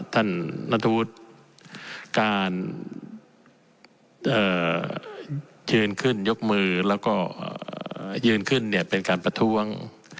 ท่านนัทธวุฒิการยืนขึ้นยกมือแล้วก็ยืนขึ้นเนี่ยเป็นการประท้วง